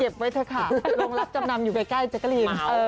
เก็บไว้เถอะค่ะโรงลักษณ์จำนำอยู่ใกล้เจ็กเกอรีน